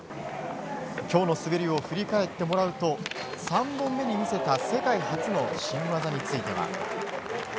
今日の滑りを振り返ってもらうと３本目に見せた世界初の新技については。